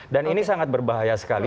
dan ini sangat berbahaya sekali